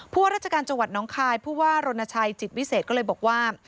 ว่าราชการจังหวัดน้องคายผู้ว่ารณชัยจิตวิเศษก็เลยบอกว่า